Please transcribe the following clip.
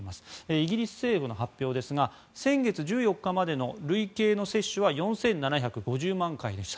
イギリス政府の発表ですが先月１４日までの累計の接種は４７５０万回でした。